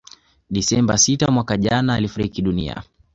Desemba sita mwaka jana alifariki dunia